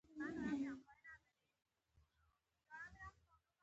تر دې زیات نه وژل کېږو.